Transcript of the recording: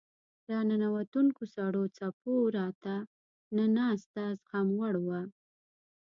راننوتونکو سړو څپو راته نه ناسته زغموړ وه.